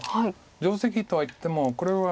定石とはいってもこれは。